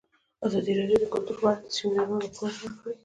ازادي راډیو د کلتور په اړه د سیمینارونو راپورونه ورکړي.